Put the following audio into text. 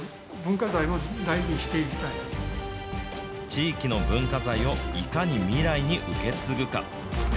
地域の文化財をいかに未来に受け継ぐか。